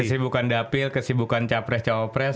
kesibukan dapil kesibukan capreh caopres